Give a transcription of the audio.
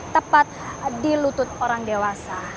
tepat di lutut orang dewasa